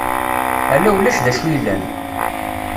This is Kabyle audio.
Ala ulac d acu yellan.